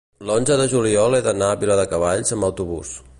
l'onze de juliol he d'anar a Viladecavalls amb autobús.